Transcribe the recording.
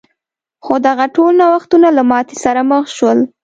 خو دغه ټول نوښتونه له ماتې سره مخ شول.